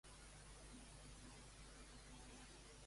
Que al Porta La Pasta fan comandes per emportar?